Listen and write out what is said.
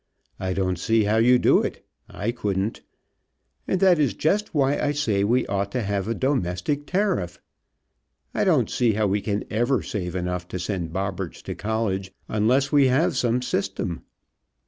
I don't see how you do it; I couldn't. And that is just why I say we ought to have a domestic tariff. I don't see how we can ever save enough to send Bobberts to college unless we have some system.